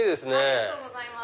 ありがとうございます。